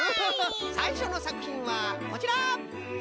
さいしょのさくひんはこちら！